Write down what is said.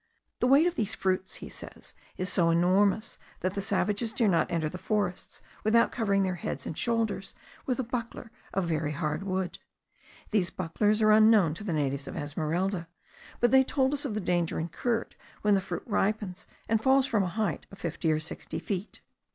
The weight of these fruits, he says, is so enormous, that the savages dare not enter the forests without covering their heads and shoulders with a buckler of very hard wood. These bucklers are unknown to the natives of Esmeralda, but they told us of the danger incurred when the fruit ripens and falls from a height of fifty or sixty feet.